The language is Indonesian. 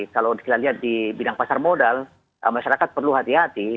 kalau kita lihat di bidang pasar modal masyarakat perlu hati hati